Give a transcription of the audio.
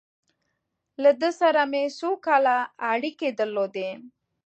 له ده سره مې څو کاله اړیکې درلودې.